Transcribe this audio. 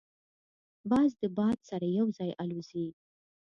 باز د باد سره یو ځای الوزي